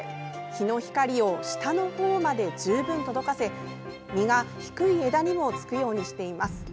日の光を下の方まで十分届かせ実が低い枝にもつくようにしています。